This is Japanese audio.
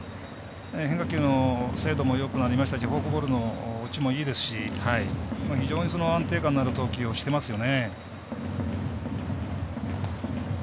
変化球の精度もよくなりましたしフォークボールの落ちもいいですし非常に安定感のある投球していますよね。